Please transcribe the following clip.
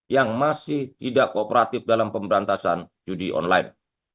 yang masih tidak kooperatif dalam pemberantasan judi online